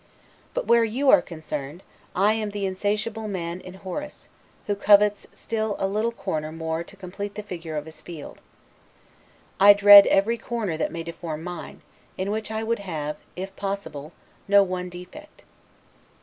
But where you are concerned, I am the insatiable man in Horace, who covets still a little corner more to complete the figure of his field. I dread every little corner that may deform mine, in which I would have (if possible) no one defect.